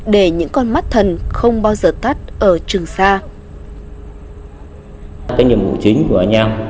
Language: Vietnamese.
để những con mắt thần không bao giờ tắt ở trường sa